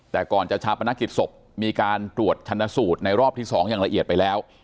แต่ก่อนจะชาปนกิจศพมีการตรวจชนะสูตรในรอบที่๒อย่างละเอียดไปแล้ว